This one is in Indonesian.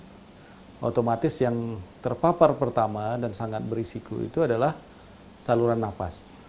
jadi otomatis yang terpapar pertama dan sangat berisiko itu adalah saluran nafas